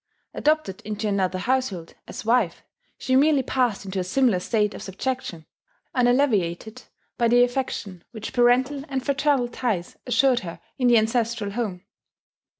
Adopted into another household as wife, she merely passed into a similar state of subjection, unalleviated by the affection which parental and fraternal ties assured her in the ancestral home.